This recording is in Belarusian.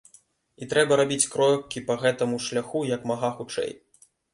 І трэба рабіць крокі па гэтаму шляху як мага хутчэй.